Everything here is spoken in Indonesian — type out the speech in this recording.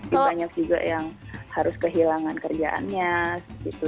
tapi banyak juga yang harus kehilangan kerjaannya gitu